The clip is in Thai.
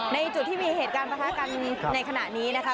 ในจุดที่มีเหตุการณ์ประทะกันในขณะนี้นะคะ